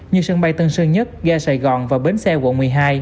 như sân bay tân sơn nhất ga sài gòn và bến xe quận một mươi hai